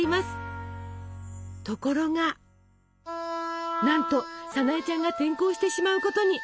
ところがなんとさなえちゃんが転校してしまうことに！